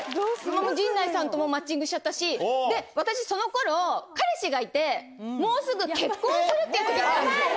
陣内さんともマッチングしちゃったし、私、そのころ、彼氏がいて、もうすぐ結婚するというときなんですよ。